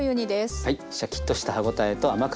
はい。